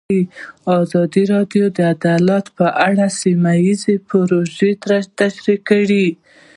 ازادي راډیو د عدالت په اړه سیمه ییزې پروژې تشریح کړې.